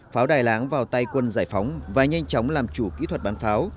pháo đại láng vào tay quân giải phóng và nhanh chóng làm chủ kỹ thuật bắn pháo